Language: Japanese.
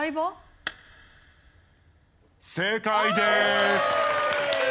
正解です。